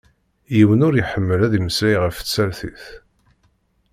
Yiwen ur iḥemmel ad imeslay ɣef tsertit.